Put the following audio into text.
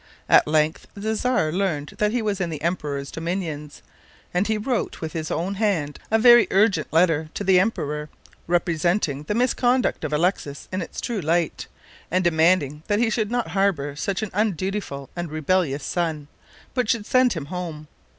At length the Czar learned that he was in the emperor's dominions, and he wrote with his own hand a very urgent letter to the emperor, representing the misconduct of Alexis in its true light, and demanding that he should not harbor such an undutiful and rebellious son, but should send him home.